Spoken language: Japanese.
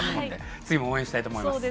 次も応援したいと思います。